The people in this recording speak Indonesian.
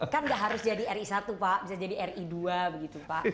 kan nggak harus jadi ri satu pak bisa jadi ri dua begitu pak